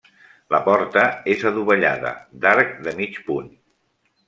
La porta és adovellada, d'arc de mig punt.